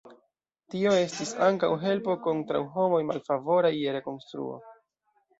Tio estis ankaŭ helpo kontraŭ homoj malfavoraj je rekonstruo.